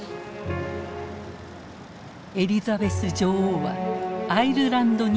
エリザベス女王はアイルランドに渡った。